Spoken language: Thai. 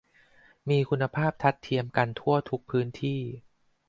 มีคุณภาพทัดเทียมกันทั่วทุกพื้นที่